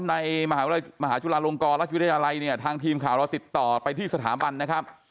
ในมหาวิทยาลัยมหาจุฬาลงกรและวิทยาลัยเนี่ยทางทีมข่าวเราติดต่อไปที่สถาบันนะครับ